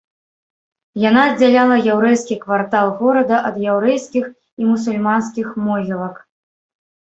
Яна аддзяляла яўрэйскі квартал горада ад яўрэйскіх і мусульманскіх могілак.